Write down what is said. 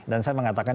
dan saya mengatakan